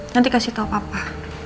nanti kasih tau papa